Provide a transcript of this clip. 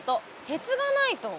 鉄がないと。